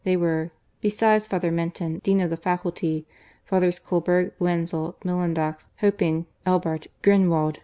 They were [besides Father Menlen, Dean of the Faculty], Falhers KolberR, Wenzel, Mulendox, Epping, Elbart, Grunewald.